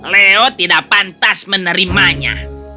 leo tidak pantas menerimanya